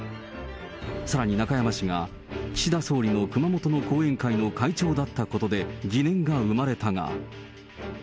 さらに中山氏が岸田総理の熊本の後援会の会長だったことで、疑念が生まれたが。